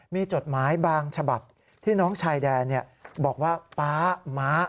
มีจดหมายบางฉบับที่น้องชายแดนบอกว่าป๊าม้า